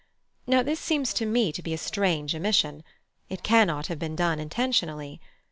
Now, this seems to me to be a strange omission. It cannot have been done intentionally.